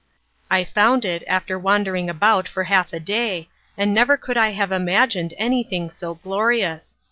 I found it after wandering about for half a day, and never could I have imagined anything so glorious.